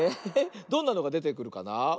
どんなのがでてくるかな？